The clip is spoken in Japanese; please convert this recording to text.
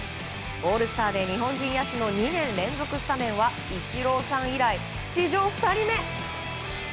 オールスターで日本人野手の２年連続スタメン出場はイチローさん以来、史上２人目。